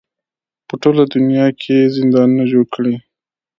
په ټوله دنیا کې یې زندانونه جوړ کړي.